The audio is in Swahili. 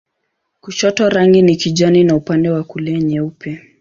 Kushoto rangi ni kijani na upande wa kulia nyeupe.